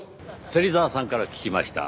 芹沢さんから聞きました。